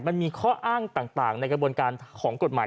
มันมีข้ออ้างต่างในกระบวนการของกฎหมาย